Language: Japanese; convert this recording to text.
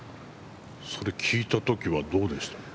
それ聞いた時はどうでしたか？